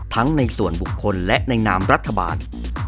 ในส่วนบุคคลและในนามรัฐบาล